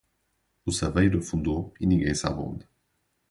O saveiro afundou e ninguém sabe onde.